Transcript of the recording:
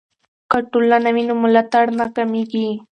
که ټولنه وي نو ملاتړ نه کمېږي.